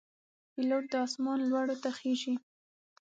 پیلوټ د آسمان لوړو ته خېژي.